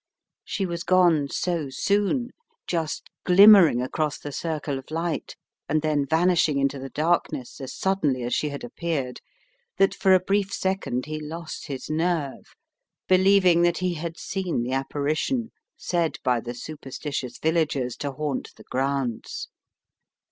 She was gone so soon, just glimmering across the circle of light and then vanishing into the darkness as suddenly as she had appeared, that for a brief second he lost his nerve, believing that he had seen the apparition said by the superstitious villagers to haunt the grounds.